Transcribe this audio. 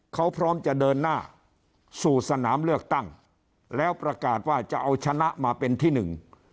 เขาพร้อมจะเดินหน้าสู่สนามเลือกตั้งแล้วประกาศว่าจะเอาชนะมาเป็นที่หนึ่ง